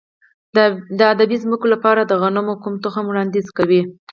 د ابي ځمکو لپاره د غنمو کوم تخم وړاندیز کوئ؟